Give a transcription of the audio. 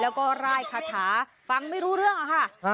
แล้วก็ร่ายคาถาฟังไม่รู้เรื่องอะค่ะ